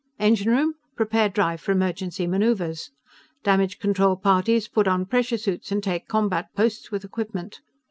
Engine room! Prepare drive for emergency maneuvers! Damage control parties, put on pressure suits and take combat posts with equipment!